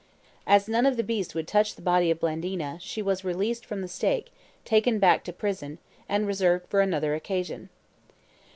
... As none of the beasts would touch the body of Blandina, she was released from the stake, taken back to prison, and reserved for another occasion.